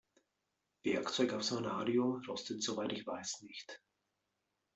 Werkzeug aus Vanadium rostet soweit ich weiß nicht.